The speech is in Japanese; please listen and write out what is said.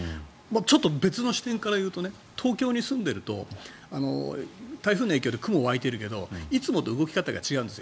ちょっと別の視点から言うと東京に住んでると台風の影響で雲が湧いているけどいつもと動き方が違うんです。